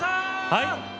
はい？